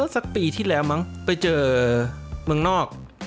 สักปีที่แล้วมั้งไปเจอเมืองนอก